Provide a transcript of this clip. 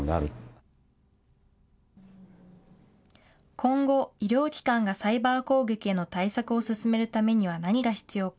今後、医療機関がサイバー攻撃への対策を進めるためには何が必要か。